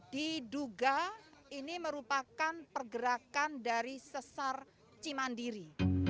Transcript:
diduga ini merupakan pergerakan dari sesar cimandiri